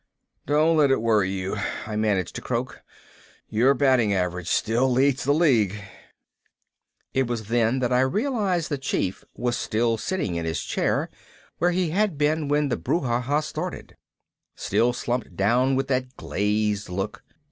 "Don't let it worry you," I managed to croak. "Your batting average still leads the league." It was then I realized the Chief was still sitting in his chair, where he had been when the brouhaha started. Still slumped down with that glazed look.